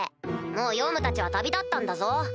もうヨウムたちは旅立ったんだぞ！